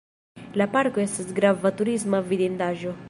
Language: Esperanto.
La parko estas grava turisma vidindaĵo.